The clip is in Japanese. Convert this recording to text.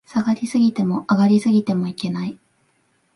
下がり過ぎても、上がり過ぎてもいけない